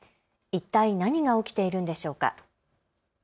一体、何が起きているんでしょうか。